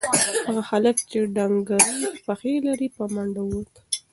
هغه هلک چې ډنگرې پښې لري په منډه ووت.